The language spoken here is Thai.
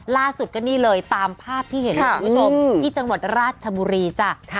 ล่าสุดก็นี่เลยตามภาพที่เห็นคุณผู้ชมที่จังหวัดราชบุรีจ้ะ